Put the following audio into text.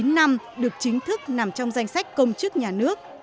chín năm được chính thức nằm trong danh sách công chức nhà nước